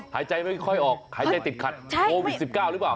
หายใจไม่ค่อยออกหายใจติดขัดโควิด๑๙หรือเปล่า